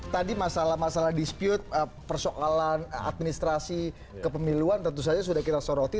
tadi masalah masalah dispute persoalan administrasi kepemiluan tentu saja sudah kita soroti